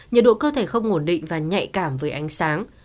nhiệt độ cơ thể không ổn định và nhạy cảm với ánh sáng